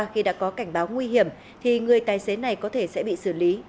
khi đã có cảnh báo nguy hiểm thì người tài xế này có thể sẽ bị xử lý